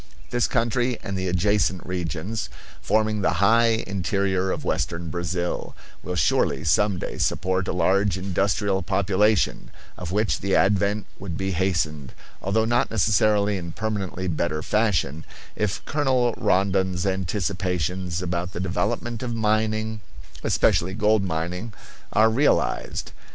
This country and the adjacent regions, forming the high interior of western Brazil, will surely some day support a large industrial population; of which the advent would be hastened, although not necessarily in permanently better fashion, if Colonel Rondon's anticipations about the development of mining, especially gold mining, are realized.